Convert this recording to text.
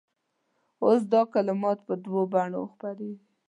اوس دا کلمات په دواړو بڼو خپرېږي.